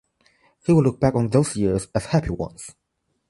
He would look back on those years as happy ones.